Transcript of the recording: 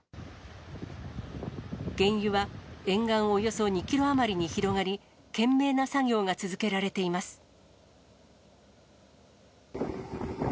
原油は沿岸およそ２キロ余りに広がり、懸命な作業が続けられています。